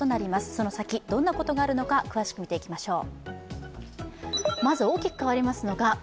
そのサキ、どんなことがあるのか詳しく見ていきましょう。